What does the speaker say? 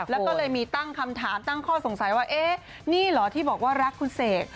แล้วก็เลยมีตั้งคำถามตั้งข้อสงสัยว่าเอ๊ะนี่เหรอที่บอกว่ารักคุณเสก